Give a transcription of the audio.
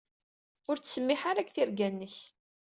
Ur ttsemmiḥ ara deg tirga-nnek.